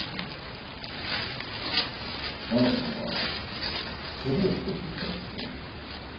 奈々さんは「ケリをつける」と言ったんですよね？